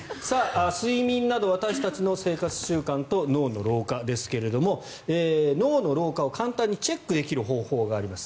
睡眠など私たちの生活習慣と脳の老化ですけれども脳の老化を簡単にチェックできる方法があります。